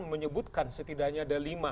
menyebutkan setidaknya ada lima